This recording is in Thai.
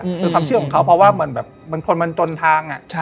จนไม่เคยรู้จักเขาเพราะมันคนทนทาง